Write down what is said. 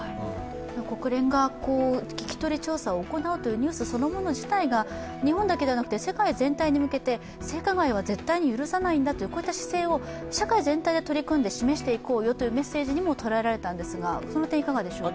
国連が聞き取り調査を行うというニュースそのものが日本だけではなくて世界全体に向けて性加害は絶対に許さないんだという、こういった姿勢を社会全体で取り組んで示していこうよというメッセージにも捉えられたんですが、その点いかがでしょうか？